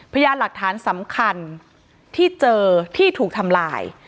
พยานหลักฐานสำคัญที่เจอที่ถูกทำลาย